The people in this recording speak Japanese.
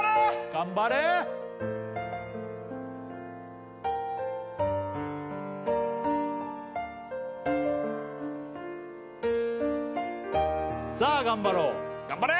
頑張れ！さあ頑張ろう頑張れ！